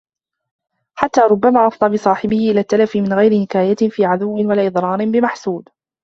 حَتَّى رُبَّمَا أَفْضَى بِصَاحِبِهِ إلَى التَّلَفِ مِنْ غَيْرِ نِكَايَةٍ فِي عَدُوٍّ وَلَا إضْرَارٍ بِمَحْسُودِ